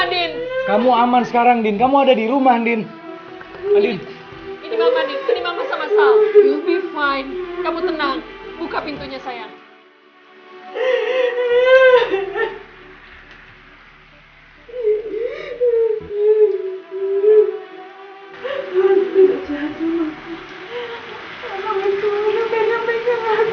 andin kamu aman sekarang din kamu ada di rumah andin andin kamu tenang buka pintunya sayang